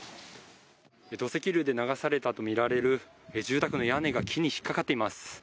土石流で流されたとみられる住宅の屋根が木に引っかかっています。